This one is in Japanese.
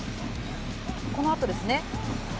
「このあとですね」